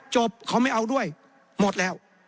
จบเขาแปลว่าไม่เอาด้วยหมดแล้ว